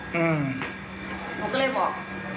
หนูก็เลยบอก